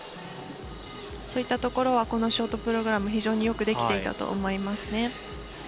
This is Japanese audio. そういったところはこのショートプログラム非常によくできていたと思います。